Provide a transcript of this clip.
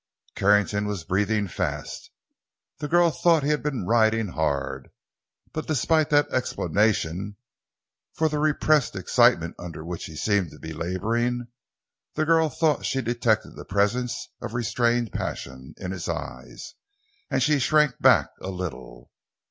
Carrington was breathing fast. The girl thought he had been riding hard. But, despite that explanation for the repressed excitement under which he seemed to be laboring, the girl thought she detected the presence of restrained passion in his eyes, and she shrank back a little.